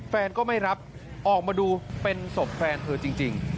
แฟนก็ไม่รับออกมาดูเป็นศพแฟนเธอจริง